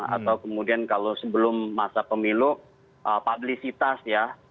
atau kemudian kalau sebelum masa pemilu publisitas ya